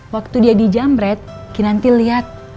waktu dia di jamret kinanti lihat